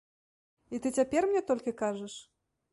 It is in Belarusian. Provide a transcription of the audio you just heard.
І ты цяпер мне толькі кажаш?